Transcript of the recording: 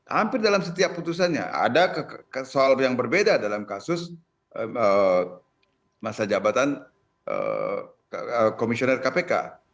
hampir dalam setiap putusannya ada soal yang berbeda dalam kasus masa jabatan komisioner kpk